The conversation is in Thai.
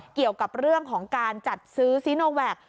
เกี่ยวกับเรื่องของการจัดซื้อซีโนแวค